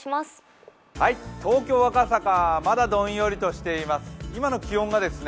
東京・赤坂、まだどんよりとしています。